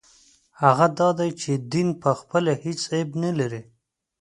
هغه دا دی چې دین پخپله هېڅ عیب نه لري.